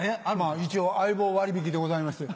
一応相棒割引でございまして。